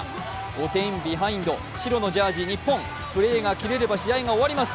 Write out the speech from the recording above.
５点ビハインド、白のジャージーの日本、プレーが切れれば試合が終わります。